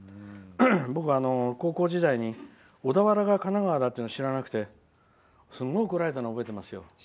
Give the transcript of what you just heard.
僕、高校時代に小田原が神奈川というのを知らなくてすごい怒られたの覚えてますよ。